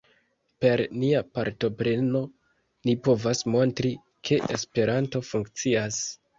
Per nia partopreno, ni povas montri ke Esperanto funkcias.